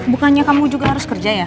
bukannya kamu juga harus kerja ya